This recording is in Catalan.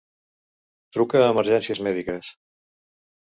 Truca a emergències mèdiques!